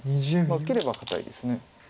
受ければ堅いです。